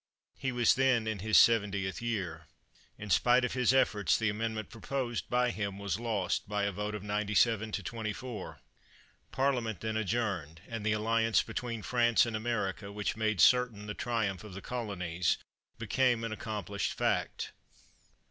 He was then in his seventieth year. In spite of bis efforts, the amendment proposed by him was lost by a vote of 97 to 24. Parliament then adjourned, and the alliance between France and America, which made certain the triumph of the Colonies, became an accomplished fact.